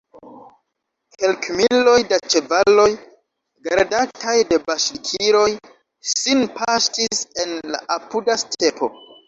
Kelkmiloj da ĉevaloj, gardataj de baŝkiroj, sin paŝtis en la apuda stepo.